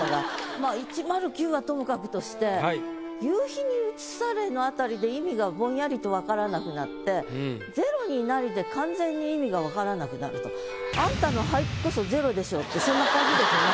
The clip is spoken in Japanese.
まあ「１０９」はともかくとして「夕日にうつされ」のあたりで意味がぼんやりと分からなくなって「０になり」で完全に意味が分からなくなると。ってそんな感じでしょうね